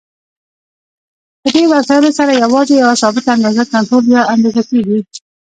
په دې وسایلو سره یوازې یوه ثابته اندازه کنټرول یا اندازه کېږي.